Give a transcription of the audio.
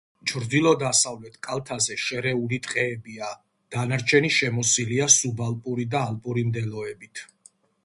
ჩრდილო-დასავლეთ კალთაზე შერეული ტყეებია, დანარჩენი შემოსილია სუბალპური და ალპური მდელოებით.